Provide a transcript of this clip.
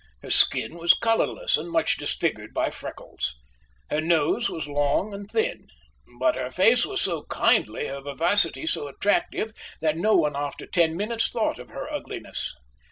Her skin was colourless and much disfigured by freckles. Her nose was long and thin. But her face was so kindly, her vivacity so attractive, that no one after ten minutes thought of her ugliness.